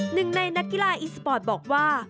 หนึ่งในนักกีฬาอีสปอร์ตบอกว่า